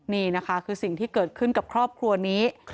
นี่นะคะคือสิ่งที่เกิดขึ้นกับครอบครัวนี้